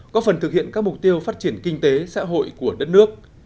có phần thực hiện các mục tiêu phát triển kinh tế xã hội của đất nước